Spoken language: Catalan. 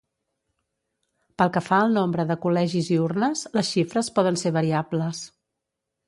Pel que fa al nombre de col·legis i urnes, les xifres poden ser variables.